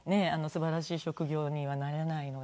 すばらしい職業にはなれないので。